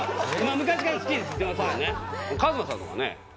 昔から好きって言ってますよね。